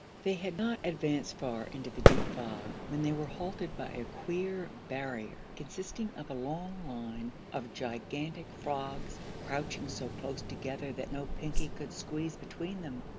They had not advanced far into the deep fog when they were halted by a queer barrier consisting of a long line of gigantic frogs, crouching so close together that no Pinkie could squeeze between them.